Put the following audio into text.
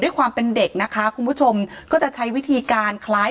ด้วยความเป็นเด็กนะคะคุณผู้คมาอยุ่มก็ใช้วิธีการคล้าย